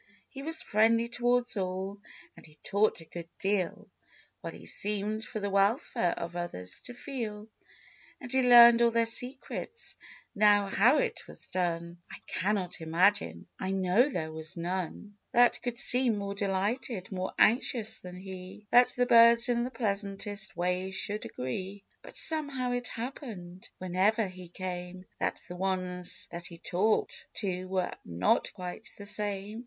He was friendly towards all, and he talked a good deal, While he seemed for the welfare of others to feel ; And he learned all their secrets. How, how it was done, I cannot imagine ! I know there was none THE OLD MAGPIE. 105 That could seem more delighted, more anxious than he, That the birds in the pleasantest ways should agree ; But somehow it happened, whenever he came, That the ones that he talked to were not quite the same.